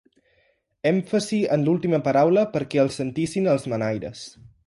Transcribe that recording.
Èmfasi en l'última paraula perquè el sentissin els manaires.